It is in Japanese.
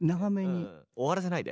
終わらせないで。